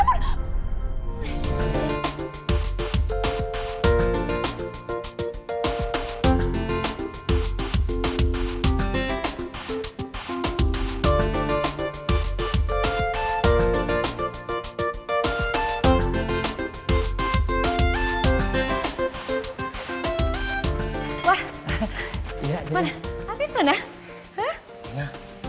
mana apeben ya